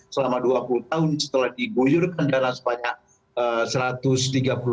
selama dua puluh tahun setelah dibuyurkan dalam sepanjang